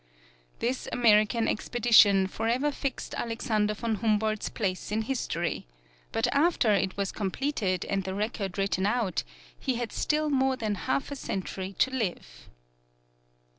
This American Expedition forever fixed Alexander von Humboldt's place in history, but after it was completed and the record written out, he had still more than half a century to live.